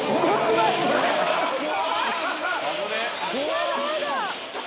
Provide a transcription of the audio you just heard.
やだやだ！